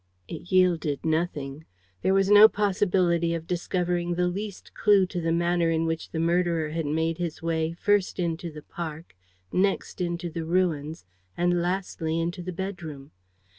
It yielded nothing. There was no possibility of discovering the least clue to the manner in which the murderer had made his way first into the park, next into the ruins and lastly into the bedroom.